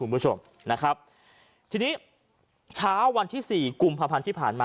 คุณผู้ชมนะครับทีนี้เช้าวันที่สี่กุมภาพันธ์ที่ผ่านมา